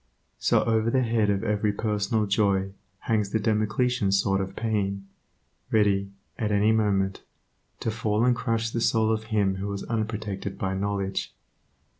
So over the head of every personal joy hangs the Damocletian sword of pain, ready, at any moment, to fall and crush the soul of him who is unprotected by knowledge.